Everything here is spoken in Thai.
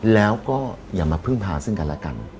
แล้วก็อย่ามาพึ่งพาซึ่งกันและกัน